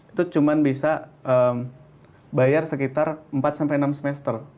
itu cuma bisa bayar sekitar empat sampai enam semester